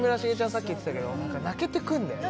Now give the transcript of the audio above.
さっき言ってたけど何か泣けてくんだよね